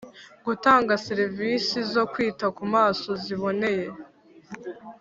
gutanga serivisi zo kwita ku maso ziboneye